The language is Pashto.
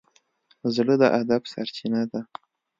زړه د ادب سرچینه ده.